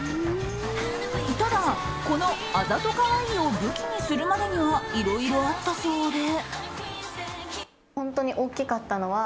ただ、このあざとカワイイを武器にするまでにはいろいろあったそうで。